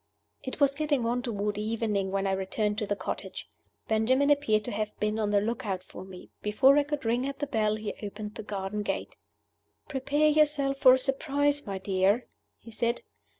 It was getting on toward evening when I returned to the cottage. Benjamin appeared to have been on the lookout for me. Before I could ring at the bell he opened the garden gate. "Prepare yourself for a surprise, my dear," he said.